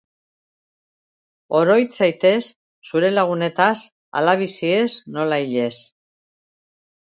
Oroit zaitez zure lagunetaz, hala biziez nola hilez.